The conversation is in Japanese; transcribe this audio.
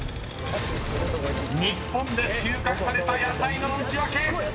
［日本で収穫された野菜のウチワケ］